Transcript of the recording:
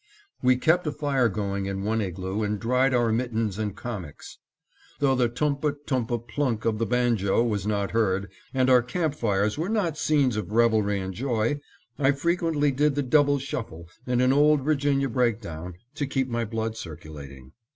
We kept a fire going in one igloo and dried our mittens and kamiks. Though the tumpa, tumpa, plunk of the banjo was not heard, and our camp fires were not scenes of revelry and joy, I frequently did the double shuffle and an Old Virginia break down, to keep my blood circulating.